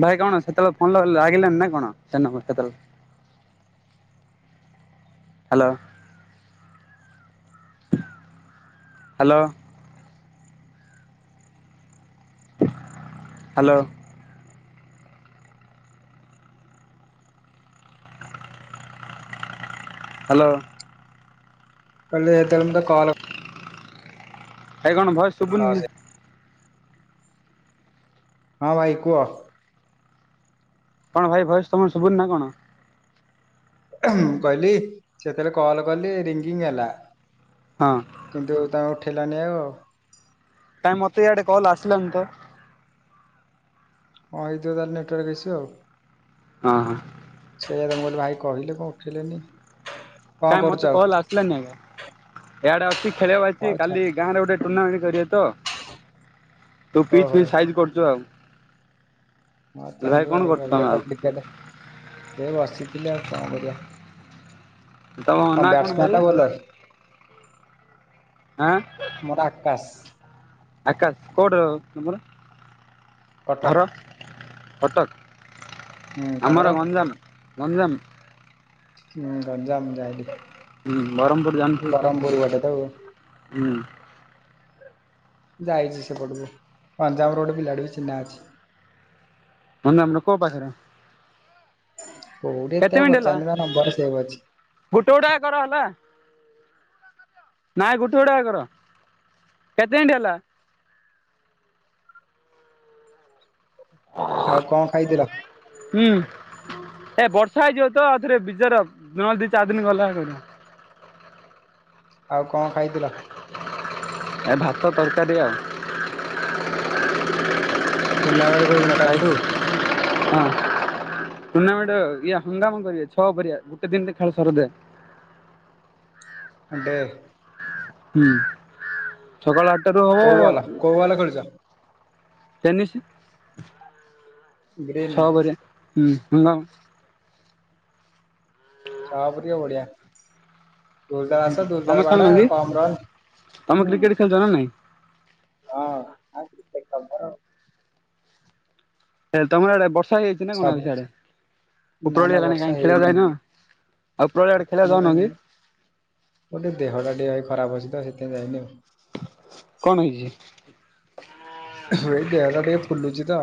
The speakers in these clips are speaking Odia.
ଭାଇ କଣ ସେତେବେଳେ phone [unintelligible] hello. Hello. Hello. Hello. କହିଲେ ଯେତେବେଳେ ମତେ କଲ ଭାଇ କଣ ଭଏସ ଲସ୍ ଶୁଭୁନି? ହଁ ଭାଇ କୁହ। କଣ ଭାଇ ଭଏସ୍ ତମର ଶୁଭୁନି ନା କଣ? ମୁଁ କହିଲି ସେତେବେଳେ କଲ କଲି ରିଙ୍ଗିଙ୍ଗ ହେଲା ହଁ କିନ୍ତୁ ତାଙ୍କୁ ଉଠେଇଲାନି ଆଉ। କାଇଁ ମତେ ଇଆଡେ କଲ ଆସିଲାନି ତ। କଣ ହେଇଥିବ ତାହେଲେ ନେଟୱାର୍କ ଇସ୍ୟୁ ଆଉ। ହଁ ହଁ। ସେଇଆ ତ ମୁଁ କହିଲି ଭାଇ କହିଲେ କଣ ଉଠିଲେନି। କାଇଁ ମତେ କଲ ଆସିଲାନି ଆଜ୍ଞା ଏଆଡେ ଅ କି ଖେଳିବାକୁ ହଉ ଆସିଚି ଛାଡ କାଲି ଗାଁରେ ଗୋଟେ ଟୁର୍ଣ୍ଣାମେଣ୍ଟ କରିବେ ତ। ତୁ ହଉ ପିଚ ଫିଚ ହଉ। ସାଇଜ କରୁଚୁ ଆଉ। ହଁ ଭାଇ ଚାଲୁ କଣ ଆଉ କରୁଛୁ ତମେ ଭାବିସତ ଆଉ କ୍ରିକେଟ ସେ ବସିଥିଲି ଆଉ କଣ କରିବା। ତମ ହଁ ନାଁ କଣ ଭାଇ ବ୍ୟାଟ୍ସମନ୍ ନା ବୋଲର? ଆଁ ମୋର ଆକାଶ। ଆକାଶ କଉଠ ତମର? କଟକ। ଘର ହୁଁ କଟକ ତମର? ଆମର ଗଞ୍ଜାମ ଗଞ୍ଜାମ। ହୁଁ ଗଞ୍ଜାମ ଜାଣିଲି। ହୁଁ ବରହମ୍ପୁର ଜାଣିଥିବ ଗୋଟେ ଆଉ। ତ ହୁଁ। ଯାଇଛି ସେପଟକୁ ଗଞ୍ଜାମରେ ଗୋଟେ ପିଲାଟେ ବି ଚିହ୍ନା ଅଛି। ଗଞ୍ଜାମର କୋଉ ପାଖେରେ? କୋଉଠି ଏତେ କେତେ ଆଉ ମିନିଟ ହେଲା ପଚାରନି ତା ନମ୍ବର ସେଭ୍ ଅଛି। ଗୋଟେ ଗୋଟେ କର ହେଲା। ନାଇଁ ଗୋଟେ ଗୋଟିକା କର କେତେ ମିନିଟ୍ ହେଲା। ଆଉ କଣ ଖାଇଥିଲ? ହୁଁ। ଏ ବର୍ଷା ହେଇଯିବ ତ ଆଉ ଥରେ ବିଯାର ନହେଲେ ଦି ଚାରି ଦିନ ଗଲେ ହେ କରିଆ। ଆଉ କଣ ଖାଇଥିଲ? ଏ ଭାତ, ତରକାରି ଆଉ। [unintelligible] ଖାଇ ହଁ। ଟୁର୍ଣ୍ଣାମେଣ୍ଟ ଇଏ ହଙ୍ଗାମ କରିବେ ଛଅ କରିଆ ଗୋଟେ ଦିନରେ ଖେଳ ସରିଦେ। ଅଣ୍ଡେ। ହୁଁ ସକାଳ ଆଠଟାରୁ କୋଉ ହବ ବଲ କୋଉ ବଲ ଖେଳୁଛ? ଟେନିସି। ଗ୍ରେମେ। ହୁଁ ହାଲୋ। ଛଅ ପୁରିଆ ବଢିଆ। ଦୁଲଦାଲ ଆସ ତମେ ଦୁଲଦାଲ ଖେଳୁନ ବାଡା କି କମ ରନ, ହୁଁ। ହଁ। ସେ କଭର। ହେ ତମର ଆଡେ ବର୍ଷା ହେଇଯାଇଛି ନା କଣ ଆଉ ସବୁ ସିଆଡେ ନା ଉପରଓଳି ନା ହେଲାଣି କାହିଁ ଖେଳିଆକୁ ଯାଇନ? ଆଉ ଉପରଓଳି ଆଡେ ଖେଳିବାକୁ ନା ଯାଉନ କି ମୋର ଟିକେ ଦେହ ଟା ଟିକେ ଭାଇ ଖରାପ ଅଛି ତ ସେଥିପାଇଁ ଯାଇନି ଆଉ। କଣ ହେଇଛି? ହଁ ଏଇ ଦେହଟା ଟିକେ ଫୁଲୁଛି ତ।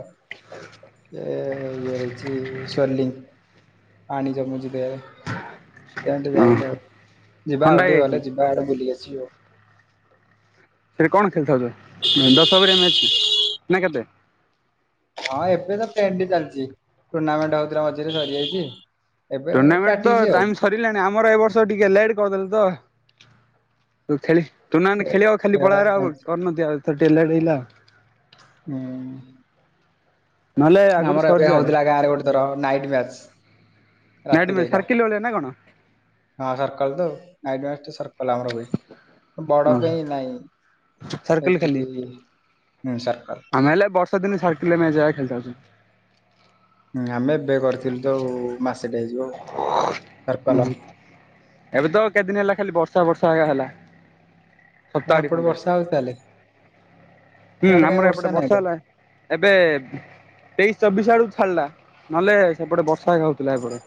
ଏ ଇଏ ହେଇଛି ଶୋର୍ଲିଙ୍ଗ ପାଣି ଜମୁଚି ଦେହେରେ। ସେଥିପାଇଁ ଟିକେ ହଁ ଯାଇନି ଆଉ ଯିବା ଥଣ୍ଡା ଆଉ ଟିକେ ହେଇଯାଇଛି ଗଲେ ଯିବା ଆଡେ ବୁଲି ଆସି ଜିଓ। ସେଠି କଣ ଖେଳି ଥାଉଚ ଉଁ ଦଶ ଓଭରିଆ ମ୍ୟାଚ ନା କେତେ? ହଁ ଏବେ ତ ପେଣ୍ଡି ଚାଲିଛି ଟୁର୍ଣ୍ଣାମେଣ୍ଟ ହଉଥିଲା ମଝିରେ ସରିଯାଇଚି ଟୁର୍ଣ୍ଣାମେଣ୍ଟ ତ ଟାଇମ୍ ସରିଲାଣି ଆମର ଏ ବର୍ଷ ଟିକେ ଲେଟ୍ କରିଦେଲେ ତ। ଖେଳି ଟୁର୍ଣ୍ଣାମେଣ୍ଟ ଏ ଖେଳିଆକୁ ଖାଲି ଖେଳରେ ପଳେଇ ଆଇଲ କଣ ଆଉ ଅଛି? କର ନାହାନ୍ତି ଆଉ ଏଥର ଟିକେ ଲେଟ୍ ହେଇଗଲା ଆଉ। ହୁଁ। ନହେଲେ ଆଗରୁ ଆମର ଏବେ ସରିଯାଏ ହଉଥିଲା ଗାଁରେ ଗୋଟେ ଥର ନାଇଟ ମ୍ୟାଚ। ନାଇଟ୍ ରାତିିରେ ମ୍ୟାଚ୍ ଏକା ସାର୍କିଲ୍ ଭଳିଆ ନା କଣ? ହଁ ସର୍କଲ୍ ତ ଆଉ ନାଇଟି ମ୍ୟାଚଟା ସର୍କ ଲ ଆମର ହୁଏ ହଁ ବଡ ପାଇଁ ନାଇଁ ଏତିିକି ହଁ ନହେଲେ ବର୍ଷା ଦିନେ ସର୍କଲେ ମ୍ୟାଚ ହଏ ଖେଳିଥାଉ ଚୁ। ହଁ ଆମେ ଏବେ କରିଥିଲୁ ତ ଆଉ ମାସଟେ ହେଇ ହେଇଯିବ ହୁଁ ଏବେ ତ କେତେଦିନ ହେଲା ଖାଲି ବର୍ଷା ବର୍ଷା ଏୟା ହେଲା। ତମ ସପ୍ତାହଟି ସେପଟେ ଖଣ୍ଡେ ବର୍ଷା ହଉଚି ତାହେଲେ। ହୁଁ ଇଆଡେ କାଇଁ ଆମର ଏପଟେ ନାହିଁ ତ ବର୍ଷା ହେଲା ହେ ଏବେ ତେଇଶି ଚବିଶ ଆଡୁ ଛାଡ, ନହେଲେ ସେପଟେ ବର୍ଷା ହେକା ହଉଥିଲା ଏପଟେ।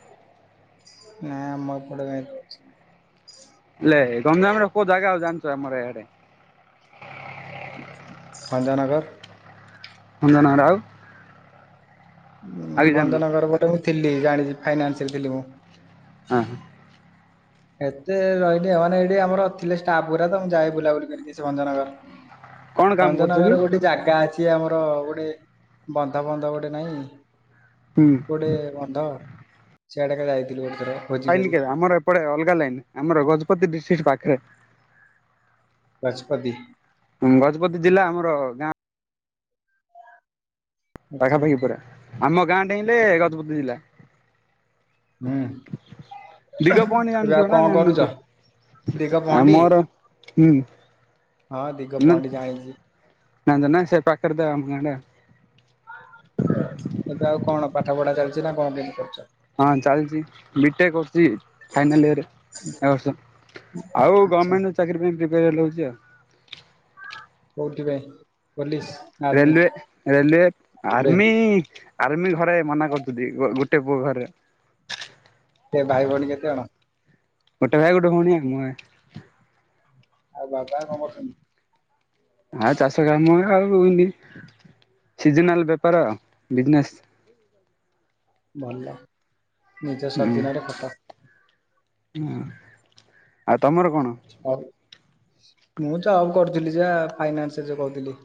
ନାଇଁ ଆମ ଏପଟେ କାଇଁ ବର୍ଷା ନାଇଁ। ଲେ ଗଞ୍ଜାମର କୋଉ ଜାଗା ଆଉ ଜାଣିଛ ଆମର ଏଆଡେ? ସଞ୍ଜନଗର। ଭଞ୍ଜନଗର, ଆଉ ଆଉ କିଛି ଜାଣିନ ଭଞ୍ଜନଗର ପଟେ ମୁଁ ଥିଲି ଜାଣିଛି ଫାଇନାନ୍ସରେ ଥିଲି ମୁଁ। ହଁ ହ। ଏତେ ରହିନି ଆଉ ମାନେ ଏଇଠି ଆମର ଥିଲେ ଷ୍ଟାଫ୍ ଗୁରା ତ ମୁଁ ଯାଏ ବୁଲାବୁଲି କରିକି ଆସେ ସେ ଭଞ୍ଜନଗର କଣ କାମ କରୁଛ କି ଭଞ୍ଜନଗରରେ ଗୋଟେ ଜାଗା ଅଛି। ଯେ ଆମର ଗୋଟେ ବନ୍ଧ ବନ୍ଧ ଗୋଟେ ନାଇଁ ହୁଁ ଗୋଟେ ବନ୍ଧ ସିଆଡ଼େ ଏକା ଯାଇଥିଲୁ ଗୋଟେ ଥର ଭୋଜି ପାଇନି କରି। କେବେ ଆମର ଏପଟେ ଅଲଗା ଲାଇନ୍ ଆମର ଗଜପତି ଡିଷ୍ଟ୍ରିକ୍ଟ୍ ଗଜପତି ପାଖରେ। ଗଜପତି ଜିଲ୍ଲା ଆମର ଗାଁ ଆଚ୍ଛା ପାଖାପାଖି ପୁରା ଆମ ଗାଁ ଡେଇଁଲେ ଗଜପତି ଜିଲ୍ଲା ହୁଁ। ଦିଗ ପହଣ୍ଡି ଏବେ ଆଉ ଜାଣିଥିବ ନା କଣ ଜାଣି ନ କରୁଚ? ଦିଗ ଥିବ? ପହଣ୍ଡି ଆମର ହୁଁ। ହଁ ଦିଗ ପହଣ୍ଡି ଯାଣିଛି। ଜାଣିଚନା ସେ ପାକରେ ତ ଆମ ଗାଁ ଟା। ଏବେ ଆଉ କଣ ପାଠ ପଢା ଚାଲିଛି ନା କଣ କେମତି କରୁଛ? ହଁ ଚାଲିଛି, ବି ଟେକ କରୁଛି ଫାଇନାଲ ଇୟର ଏ ବର୍ଷ। ଆଉ ଆଚ୍ଛା ଗମେଣ୍ଟ ଚାକିରୀ ପାଇଁ ପ୍ରିପାର ହେଉଚି ଆଉ। କଉଥିିରେ? ରେଲୱେ ରେଲୱେ ଏବେ ଆର୍ମି। ଆର୍ମି ଘରେ ମନା କରୁଛନ୍ତି ଗୋଟେ ପୁଅ ଘରେ। ସେ ଭାଇ ଭଉଣୀ କେତେ ଜଣ? ଗୋଟେ ଭାଇ ଗୋଟେ ଭଉଣୀ ଆଉ ମୁ ଆଉ। ଆଉ ବାପା କଣ ଆଉ କରୁଚନ୍ତି? ଚାଷ [unintelligible] ସିଜନାଲ ବେପାର ବିଜନେସ୍। ଭଲ ନିଜ ସ୍ୱାଦିନରେ ଖଟ। ହୁଁ ଆଉ ତମର କଣ? ହଉ ମୁଁ ଜବ କରୁଥିଲି ଯା ଫାଇନାନ୍ସ ରେ ଯଉ କହୁଥିଲି।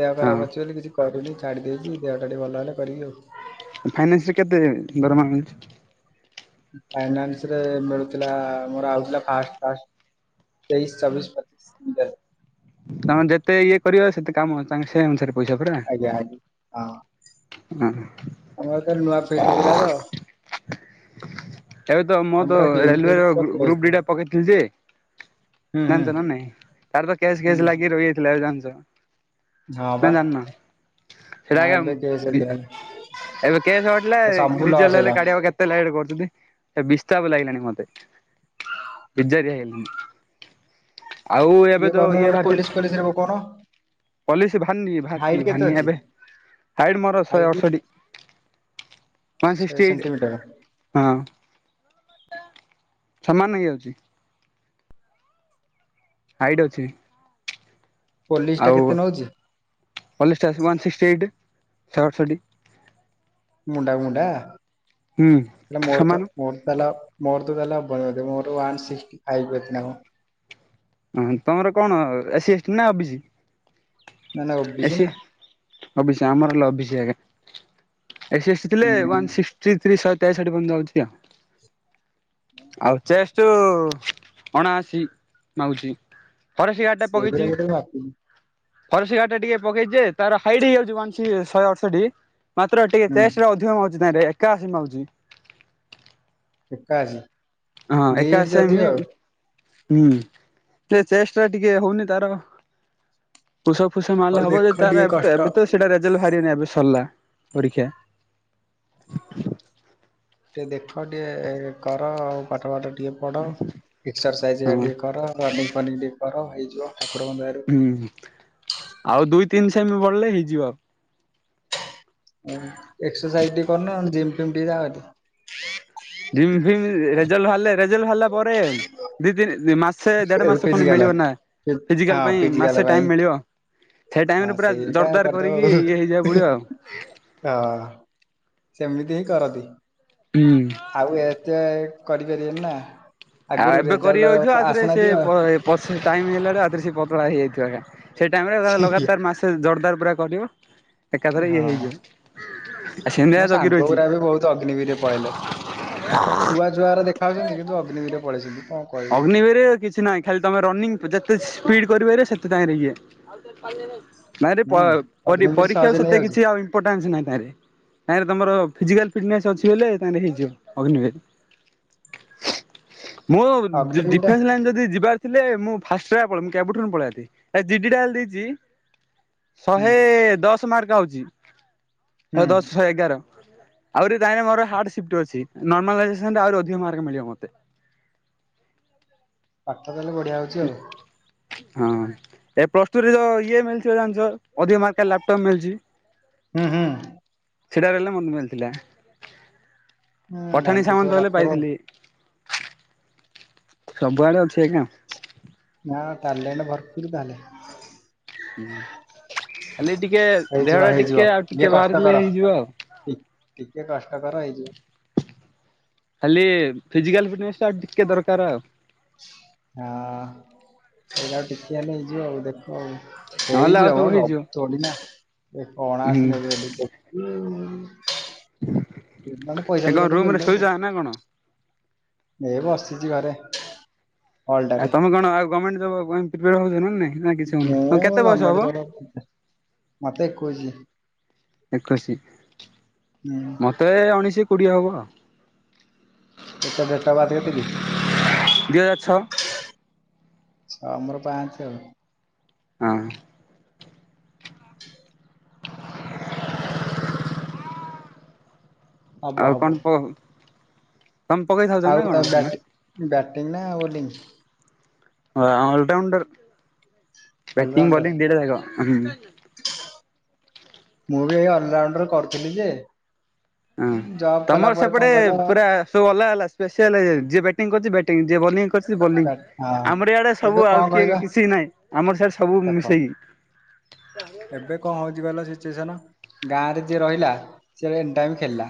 ଦେହ ହଁ ଖରାପ ଅଛି ବୋଲି କିଛି କରୁନି, ଛାଡି ଦେଇଛି। ଦେହଟା ଟିକେ ଭଲ ହେଲେ କରିବି ଆଉ। ଫାଇନାନ୍ସରେ କେତେ ଦରମା ଅଛି। ଫାଇନାନ୍ସ ରେ ମିଳୁଥିଲା ମୋର ଆଉଥିଲା ଫାଷ୍ଟ୍ ଫାଷ୍ଟ୍ ତେଇଶ, ଚବିଶ, ପଚିଶି ଏମିତି ଆଉ ତମେ ଯେତେ ଇଏ କରିବ ସେତେ କାମ ତାଙ୍କେ ସେ ଅନୁସାରେ। ପଇସା ପରା ଆଜ୍ଞା ଆଜ ହଁ। ହଁ ଆମର ତ ନୂଆ ଫିଲ୍ଡ ଥିଲା ତ। ଏବେ ତ ମୁଁ ଆମେ ତ ପୁରା ଗେମ୍ ରେଲୱ ଫେମ୍ ର ପୁରା କ୍ଲୋଜ୍ ଗ୍ରୁପ ଡି ଥିଲୁ। ଟା ପକେଇଥିଲି ଯେ ହୁଁ ହୁଁ ଜାଣିଛ ନା ନାଇଁ। ତାର ତ କେସ କାସ୍ ଲାଗି ହୁଁ ରହିଯାଇଥିଲା ଜାଣିଛ। ହଁ ନା ବା ଜାଣିନ ସେଇଟା ହଁ ଏବେ କେସ୍ ଆଜ୍ଞା ଏଥିପାଇଁ। ଏବେ କେସ ହଟିଲା ରେଜଲ୍ଟ କାଢକୁ କେତେ ଲେଟ କରୁଛନ୍ତି। ଏ ବିସ୍ତାପ ଲାଗିଲାଣିି ମତେ ବିଜାରିଆ ହେଲିଣିି। ଆଉ ଏ ଏବେ ତ କରୁନ ଇଏ ନହେଲେ ବାହାରିଛି। ପୋଲିସ ଫୋଲିସରେ ପକଉନ ପଲିସି ବାରନି କି ବାହାରିଛି ଜି ହାଇଟ୍ କେତେ ଭାରନି ଅଛି? ଏବେ? ହାଇଡ ମର ଶହ ହାଇଟ୍ ଅଡସଠି। ୱାନ ଶହେ ଶିଷ୍ଟି ଏଇଟି ସେଣ୍ଟିମିଟର ହଁ। ସମାନ ହେଇଯାଉଛି। ହାଇଟ୍ ଅଛି। ପୋଲିସ ଟା କେତେ ଆଉ, ନଉଛି ପୋଲିସ ଟା ଅଛି ୱାନ ସିଷ୍ଟି ଏଇଟି। ସହର ସଟି ମୁଣ୍ଡା ମୁଣ୍ଡା ସମାନ ମୁହରତ-ମୁର ତା ହେଲେ ମୋର [unintelligible] ମୋର ୱାନେ ଶିଷ୍ଟୀ ଆଇ ବେତ୍ ନ କଣ ହଁ ତମର କଣ ଏସି ଏସ୍ ଏଟି ନା O B C? SC OBC ଆମର ହେଲେ ଓବିଶି ଆଜ୍ଞା। ଏସି ଏସ୍ ଟି ଥିଲେ ୱାନ ଶିଷ୍ଟୀ ଥ୍ରୀ, ସହେ ତେଷଠି ପର୍ଯ୍ୟନ୍ତ ଯାଉଛି ଆଉ। ଆଉ ଚେଷ୍ଟ୍ ଅଣାଅଶୀ ମାଗୁଛି। ଫରେଷ୍ଟ ଗାର୍ଡ ଟା ସେଗୁରା ପକେଇଚି। କେତେ ମାପି ଫରେଷ୍ଟ ଗାର୍ଡ ଟା ଟିକେ ପକେଇଚ ଯେ ତାର ହାଇଟ୍ ହେଇଯାଉଛି ୱାନ ସି ଶହେ ଅଠଶଠି। ମାତ୍ର ଟିକେ ହୁଁ ଚେଷ୍ଟ ରେ ଅଧିକ ମାଗୁଚି ତାଇଁରେ ଏକାଅଶୀ ମାଗୁଚି। ଏକାଅଶି। ହଁ ଏକାଅଶି ସେ ମି। ହୁଁ ସେ ଚେଷ୍ଟ ଟା ଟିକେ ହଉନି ତାର। ପୁସଅପ ଫୁସଅପ ହଉ ମାରିଲେ ହବ ଯେ, ଦେଖ ଟିକେ ତାର ଏବେ କଷ୍ଟ ଏବେ ତ ସେଇଟା ରେଜଲ୍ଟ ବାହାରିବନି ଏବେ ସରିଲା। ପରୀକ୍ଷା। ଟିକେ ଦେଖ ଟିକେ କର ଆଉ ପାଠ ଫାଠ। ଟିକେ ପଢ ଏକ୍ସରସାଇଜ ହଁ ହେରା ଟିକେ କର ରନିଙ୍ଗ ଫନିଙ୍ଗ ଟିକେ କର ହେଇଯିବ। ଠାକୁରଙ୍କ ଦୟାରୁ ହୁଁ ଆଉ ଦୁଇ ତିନି ସେମି ବଢିଲେ ହେଇଯିବ। ଏଁ ଏକସରସାଇଜ ଟିକେ କରୁନ ଜିମ୍ ଫିମ୍ ଟିକେ ଯାଅ ତି। ଜିମ ଫିମି ରେଜଲ୍ଟ ବାହାରିଲେ ରେଜଲ୍ଟ ବାହାରିଲା ପରେ ଦି ଦିନ ଦି ମାସେ ଦେଢ ମାସ ଏଲପିଜି ଖଣ୍ଡ ବାଲା ମିଳିବ ନା ଫିଜିକାଲ ହଁ ପାଇଁ ପିଜି ବାଲା ମାସେ ପାଇଁ ଟାଇମ ମିଳିବ। ସେଇ ଟାଇମ ହଁ ରେ ପୁରା ସେଇଟା ଜୋରଦାର କରିଦବ କରିକି ଆଉ ଇଏ ହେଇଯିବାକୁ ପଡିବ ଆଉ। ହଁ ସେମିତି ହିଁ କରନ୍ତି। ହୁଁ ଆଉ ଏତେ କରିପାରିବେନି ନା। ଆଉ ଆଗରୁ ଏବେ କରି ହଉଥିବ ରେଜଲ୍ଟ ଆଉଥରେ ସେ ଆସୁନଥିବ ପ ପଶ ଟାଇମ ହେଲା ଆଡୁ ଆଉଥରେ ସେ ପତଳା ହେଇଯାଇଥିବ ଏକା। ସେଇ ଟାଇମର ଏକା ସେଇଆ। ଲଗାତାର ମାସେ ଜୋରଦାର ପୁରା କରିବ ଏକାଥରେ ଇଏ ହଁ। ହେଇଯିବ। ଆଉ ସେମିତିଆ ମୋ ଜଗି ସାଙ୍ଗ ରହିଛି। ଗୁରା ବି ବହୁତ ଅଗ୍ନିବିରରେ ପଳେଇଲେ ଛୁଆ ଛୁଆଗୁରା ଦେଖ ଖାଉଛନ୍ତି କିନ୍ତୁ ଅଗ୍ନି ବିର ରେ ପଳେଇଛନ୍ତି। ଅଗ୍ନିବିରରେ କିଛି ନାହିଁ ଖାଲି ତମେ ରନିଂ ପ ଯେ ତେ ସ୍ପିଡ କରିପାରିବ ସେତେ ତାଇଁ ରେ ଇଏ। ନାଇଁରେ ପ ହୁଁ ପରି ଅଗ୍ନିବିର ପରୀକ୍ଷାକୁ ସହଜେ ସେତେ ନେଇଯାଉଛି କିଛି ଆଉ ଇମ୍ପୋଟାନ୍ସ ନାହିଁ ତାଇଁରେ ତାଇଁରେ ତମର ଫିଜିକାଲ। ଫିଟନେସ ଅଛି ବେଲେ ତାଇଁ ରେ ହେଇଯିବ ଅଗ୍ନିବିର ମୋ ଡି ଅଗ୍ନିବିର ଟା ଡିଫେନ୍ସ ଲାଇନ ଯଦି ଯିବାର ଥିଲେ ମୁଁ ଫାର୍ଷ୍ଟ ରେ ଏକା ପଳେଇ ମୁଁ କେବଠାରୁ ପଳାନ୍ତି ଏ ଜି ଡି ଟା ହେଲେ ଦେଇଛି। ହୁଁ ଶହେ ଦଶ ମାର୍କ ଆଉଚି ଶହେ ହୁଁ। ଦଶ ଶହେ ଏଗାର। ଆହୁରି ତାଇଁରେ ମୋର ହାର୍ଡ ସିଫ୍ଟ ଅଛି ନର୍ମାଲାଇଯେସନରେ ଆହୁରି ଅଧିକ ମାର୍କ ମିଳିବ ମତେ। [inaudible] ପାଠ ତାହେଲେ ବଢିଆ ହଉଛି ଆଉ। ହଁ ଏ ପ୍ଲସଟୁ ରେ ଯ ଇଏ ମିଳିଥିଵ ଜାଣିଚ ଅଧିକ ମାର୍କ ଲାପଟପ୍ ମିଳୁଚି। ହୁଁ ହୁଁ। ସେଟାରେ ହେଲେ ମତେ ମିଳିଥିଲା ହୁଁ ପଠାଣି ଘାଣ୍ଟୁଥିବ ସାମନ୍ତ ହେଲେ ଲାପଟପ। ପାଇଥିଲି। ସବୁଆଡେ ଅଛି ଆଜ୍ଞା। ନା ଟ୍ୟାଲେଣ୍ଟ ଭରପୁରୁ ତାହାଲେ। ହୁଁ। ଖାଲି ଟିକେ ହେଇଯିବ ଦେହ ଟା ହେଇଯିବ ଟିକେ ଆଉ ଟିକେ କଷ୍ଟ ବାହାରିଲେ ହେଇଯିବ ଆଉ। କଷ୍ଟକର ହେଇଯିବ। ଖାଲି ଫିଜିକାଲ ଫିଟନେସ ଟା ଆଉ ଟିକେ ଦରକାର ଆଉ। ହଁ ସେଇଟା ଆଉ ଟିକେ ହେଲେ ହେଇଯିବ ଆଉ ଦେଖ ଆଉ। ନହେଲେ ଆଉ ହେଇଯିବ ମ ହେଇଯିବ। ସବୁ ଥୋଡି ନା ଏ ହୁଁ ଅଣାଅଶୀ ନେବେ ଟିକେ। ଉଁ। ସେମାନେ ଏ ପଇସା କଣ ଫଇସା ରୁମ ଟିକେ ରେ ଶୋଇଛ ପେଲଦବୁ। ନା କଣ? ଏ ବସିଛି ଘରେ। ଆଉ ହଲଟାରେ ତମେ କଣ ଆଉ ଗମେଣ୍ଟ ଜବ ପାଇଁ ହଉଚ ନା ନାଇ। ମୁଁ ଗମେଣ୍ଟ ଜବ [unintelligible] ମତେ ଏକୋଇଶି। ଏକୋଇଶି ହୁଁ ମତେ ଅଣେଇଶି କୋଡିଏ ହବ ଆଉ। କେତେ ଡେଟ ଅଫ ବାଥ କେତେ କି? ଦି ହଜାର ଛଅ ଛ ମୋର ପାଞ୍ଚେ ଆଉ। ହଁ। [inaudible] ହବ ଆଉ ହବ କଣ ପ ତମେ ପକେଇଥାଉଛ ଆଉ ନା କଣ ତମେ ନା? ବାଟି ବ୍ୟାଟିଂ ନା ବୋଲିଂ? ହ ଅଲରାଉଁଣ୍ଡର୍ ବ୍ୟାଟିଂ ଅଲରାଉଣ୍ଡର ବୋଲିଂ ଦିଟା ଯାଙ୍କ ମୁଁ ବି ଏଇ ଅଲରାଉଣ୍ଡରେ କରୁଥିଲି ଯେ ହଁ ଜବ୍ କଲା ତମର ପରେ ସେପଟେ କଣ କହିଲ ପୁରା ସବୁ ଅଲଗା ଅଲଗା ସ୍ପେସିଆଲ ହେଇଯାଇ ଯିଏ ବାଟିଂ କରୁଛି ଟିଂ ଯେ ବୋଲିଂ କରିଛି ସେ ବୋଲିଂ ବ୍ୟାଟ- ହଁ ଆମର ଆଡେ ଏବେ ସବୁ ଆଉ କଣ କିଏ କହିଲ କିଛି ନାଇଁ ଆମର ସିଆଡେ ସବୁ ଦେଖ ମିଶେଇକି। ଏବେ କଣ ହଉଛି କହିଲ? ସିଚୁଏସନ ଗାଁ ରେ ଯିଏ ରହିଲା ସେ ଆଗ ଏନିଟାଇମ ଖେଳିଲା।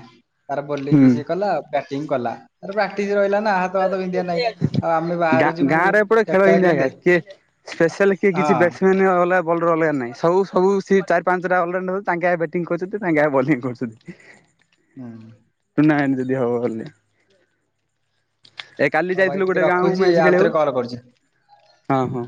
ତାର ବୋଲିଂ ବି ହୁଁ। ସିଏ କଲା ବ୍ୟାଟିଂ କଲା। ତାର ପ୍ରାକ୍ଟିସ ରହିଲା ନା ହାତ ଫାତ ବିନ୍ଧିବା ନାହିଁ ଆଉ ଆମେ ଗାଁ ବାହାରୁ ଯିବୁ ଗାଁରେ ଏପଟେ ଖେଳ କେତେବେଳେ ହିନ୍ତି ଆଞା। କେମିତି କିଏ ସ୍ପେଶାଲ କିଏ ହଁ କିଛି ବ୍ୟାଟସମ୍ୟାନ୍ ଅଲଗା ବୋଲର ର ଅଲଗା ନାଇଁ। ସବୁ ସବୁ ସିଏ ଚାରି ପାଞ୍ଚଟା ଅଲରାଉଣ୍ଡର ତାଙ୍କେ ଆଗେ ବ୍ୟାଟିଂ କରୁଛନ୍ତି ତାଙ୍କେ ଆଗେ ବୋଲୀଙ୍ଗ କରୁଛନ୍ତି। ହୁଁ। ନାଇନ ଯଦି ହବ ହେଲେ ଏ କାଲି ହଉ ଭାଇ ଯାଇଥିଲୁ ଟିକେ ଗୋଟେ ଗାଁକୁ ରଖୁଛି ମ୍ୟାଚ ଆଉଥରେ ଖେଳିବାକୁ। କଲ୍ କରୁଛି। ହଁ ହଁ।